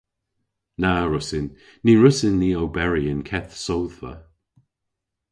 Na wrussyn. Ny wrussyn ni oberi y'n keth sodhva.